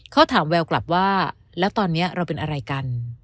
เขาถามแววกลับว่าแล้วตอนนี้เราเป็นอะไรกัน